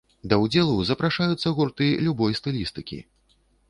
Да ўдзелу запрашаюцца гурты любой стылістыкі.